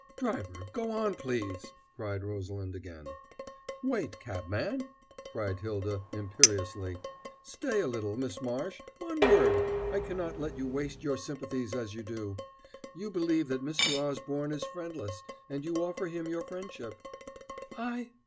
"Driver, go on, please!" cried Rosalind again. "Wait, cabman!" cried Hylda imperiously.... "Stay a little Miss Marsh one word I cannot let you waste your sympathies as you do. You believe that Mr. Osborne is friendless; and you offer him your friendship " "_I!